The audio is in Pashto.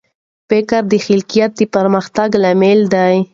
فکري خلاقیت د پرمختګ لامل دی.